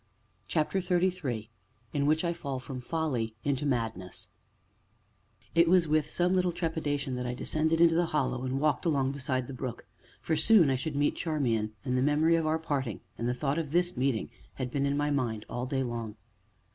CHAPTER XXXIII IN WHICH I FALL FROM FOLLY INTO MADNESS It was with some little trepidation that I descended into the Hollow, and walked along beside the brook, for soon I should meet Charmian, and the memory of our parting, and the thought of this meeting, had been in my mind all day long.